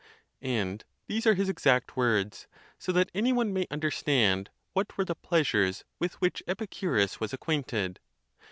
And these are his exact words, so that any one may understand what were the pleasures with which Epicurus was ac quainted.